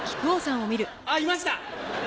あっいました！